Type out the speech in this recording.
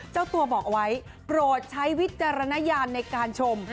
เจ้าตัวบอกเอาไว้โปรดใช้วิจารณญาณในการชม